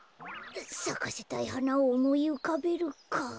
さかせたいはなをおもいうかべるか。